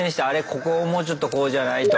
ここをもうちょっとこうじゃない？と。